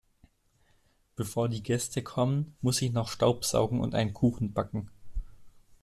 Bevor die Gäste kommen, muss ich noch staubsaugen und einen Kuchen backen.